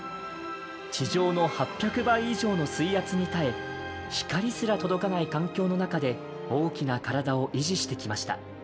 地上の８００倍以上の水圧に耐え、光すら届かない環境の中で大きな体を維持してきました。